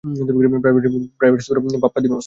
Private Spiro Pappadimos.